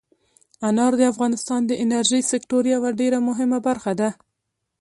انار د افغانستان د انرژۍ سکتور یوه ډېره مهمه برخه ده.